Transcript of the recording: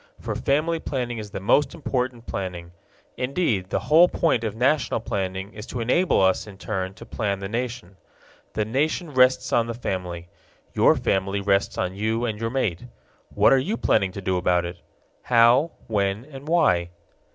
For family planning is the most important planning. Indeed, the whole point of national planning is to enable us in turn to plan the nation. The nation rests on the family. Your family rests on you and your mate. What are you planning to do about it? How, when, and why?